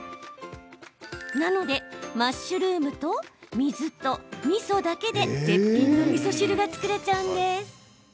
なのでマッシュルームと水とみそだけで絶品のみそ汁が作れちゃうんです。